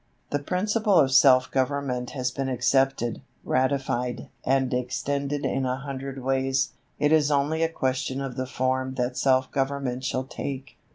The principle of self government has been accepted, ratified, and extended in a hundred ways. It is only a question of the form that self government shall take.